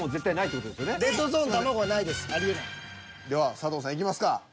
では佐藤さんいきますか。